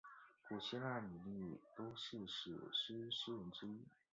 古希腊米利都的史诗诗人之一。